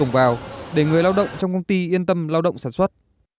vào để người lao động trong công ty yên tâm lao động sản xuất